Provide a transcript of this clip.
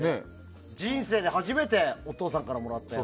人生で初めてお父さんからもらったやつ。